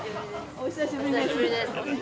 お久しぶりです。